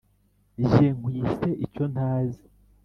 Jye nkwise icyontazi